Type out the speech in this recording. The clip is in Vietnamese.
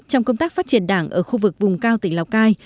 trong công tác phát triển đảng ở khu vực vùng cao tỉnh lào cai